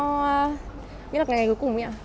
nghĩa là ngày ngày cuối cùng đấy ạ